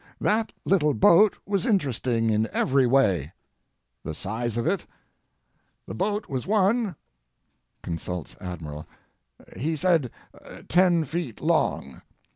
That little boat was interesting in every way. The size of it. The boat was one [consults Admiral], he said ten feet long.